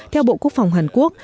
theo bộ quốc phòng hàn quốc